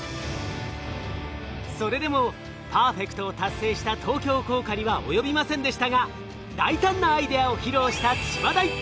それでもパーフェクトを達成した東京工科には及びませんでしたが大胆なアイデアを披露した千葉大。